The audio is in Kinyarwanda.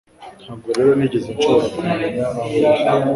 Ntabwo rero nigeze nshobora kumenya aho uri